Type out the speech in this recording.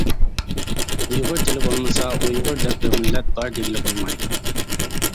ئۇيغۇر تىلى بولمىسا ئۇيغۇر دەپ بىر مىللەت بار دېگىلى بولمايدۇ.